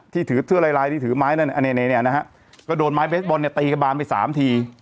ถือเสื้อลายลายที่ถือไม้นั่นอันนี้เนี่ยนะฮะก็โดนไม้เบสบอลเนี่ยตีกระบานไป๓ที